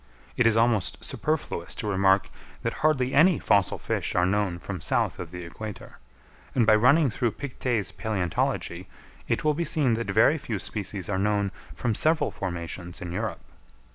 It is almost superfluous to remark that hardly any fossil fish are known from south of the equator; and by running through Pictet's Palæontology it will be seen that very few species are known from several formations in Europe.